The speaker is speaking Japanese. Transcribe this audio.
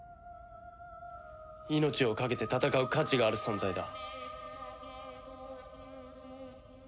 命をかけて戦う価値がある存在だ。